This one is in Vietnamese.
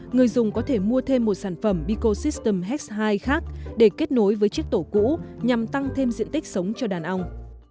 người dùng có thể mua thêm một sản phẩm bicosystem x hai khác để kết nối với chiếc tổ cũ nhằm tăng thêm diện tích sống cho đàn ong